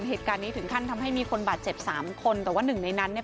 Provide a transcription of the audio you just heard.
เหตุการณ์นี้ถึงขั้นทำให้มีคนบาดเจ็บสามคนแต่ว่าหนึ่งในนั้นเนี่ย